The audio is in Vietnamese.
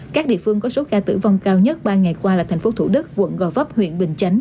các địa phương có số ca tử vong cao nhất ba ngày qua là thành phố thủ đức quận gò vấp huyện bình chánh